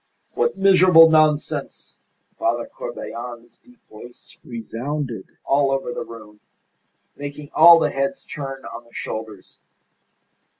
"What miserable nonsense!" Father Corbelan's deep voice resounded all over the room, making all the heads turn on the shoulders.